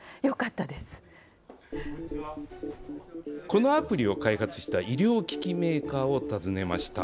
このアプリを開発した医療機器メーカーを訪ねました。